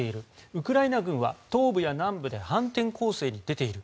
ウクライナ軍は東部や南部で反転攻勢に出ている。